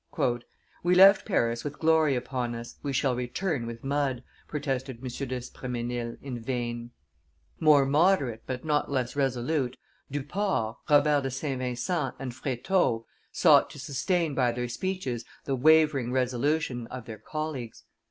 "We left Paris with glory upon us, we shall return with mud," protested M. d'Espremesnil in vain; more moderate, but not less resolute, Duport, Robert de St. Vincent, and Freteau sought to sustain by their speeches the wavering resolution of their colleagues.